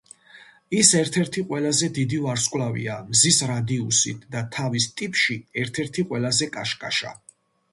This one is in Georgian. ის ერთ-ერთი ყველაზე დიდი ვარსკვლავია მზის რადიუსით და თავის ტიპში ერთ-ერთი ყველაზე კაშკაშა.